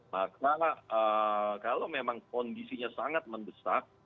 karena kalau memang kondisinya sangat membesar